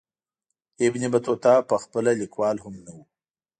ابن بطوطه پخپله لیکوال هم نه وو.